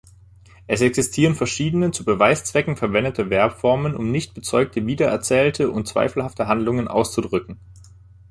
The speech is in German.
Es existieren verschiedene zu Beweiszwecken verwendete Verbformen, um nicht bezeugte, wiedererzählte und zweifelhafte Handlungen auszudrücken.